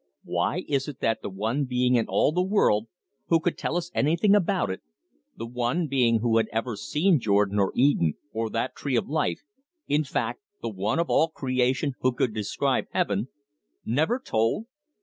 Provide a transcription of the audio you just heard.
Why is it that the one being in all the world who could tell us anything about it, the one being who had ever seen Jordan or Eden or that tree of life in fact, the one of all creation who could describe heaven, never told?